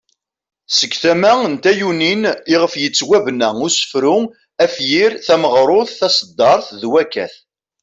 Seg tama n tayunin iɣef yettwabena usefru, afyir, tameɣrut ,taseddart ,d wakat.